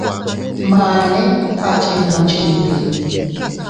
Mane a chinnu chinbi.